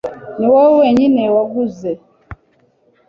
Niwowe wenyine waguze.